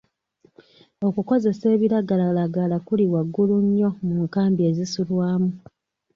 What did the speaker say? Okukozesa ebiragalalagala kuli waggulu nnyo mu nkambi ezisulwamu.